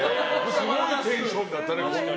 すごいテンションだったね。